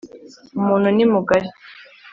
Umuntu nimugari.